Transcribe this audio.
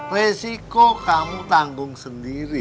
resiko kamu tanggung sendiri